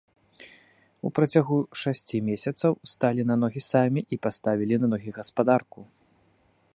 У працягу шасці месяцаў сталі на ногі самі і паставілі на ногі гаспадарку.